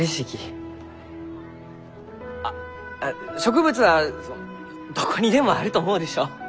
あ植物はどこにでもあると思うでしょ？